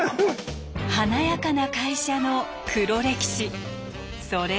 華やかな会社の黒歴史それが。